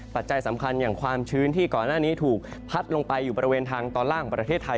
ปัจจัยสำคัญอย่างความชื้นที่ก่อนหน้านี้ถูกพัดลงไปอยู่บริเวณทางตอนล่างของประเทศไทย